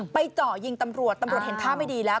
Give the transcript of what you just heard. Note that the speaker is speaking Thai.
เจาะยิงตำรวจตำรวจเห็นท่าไม่ดีแล้ว